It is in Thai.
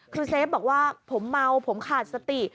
คือเซฟบอกว่าผมเมาผมขาดสติ